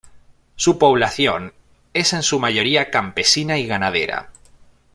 Su población es en su mayoría campesina y ganadera.